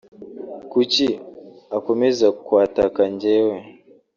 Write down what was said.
Kuki akomeza kwataka njyewe